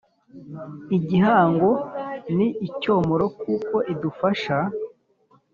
igihango Ni Icyomoro kuko idufasha